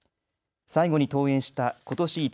最後に登園したことし